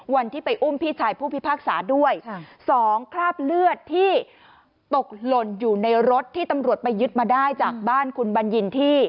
วันที่ไปอุ้มพี่ชายผู้พิพากษาด้วยสองคราบเลือดที่ตกหล่นอยู่ในรถที่ตำรวจไปยึดมาได้จากบ้านคุณบัญญินที่